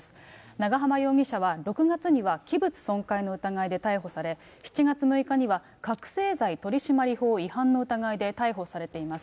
長浜容疑者は６月には器物損壊の疑いで逮捕され、７月６日には覚醒剤取締法違反の疑いで逮捕されています。